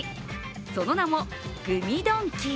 その名も、グミドンキ。